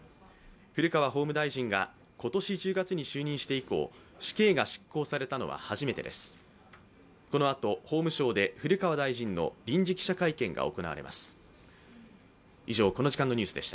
古川法務大臣が今年１０月に就任して以降、死刑が執行されたのは初めてです。